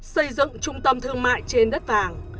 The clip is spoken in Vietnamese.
xây dựng trung tâm thương mại trên đất vàng